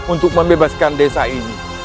untuk membebaskan desa ini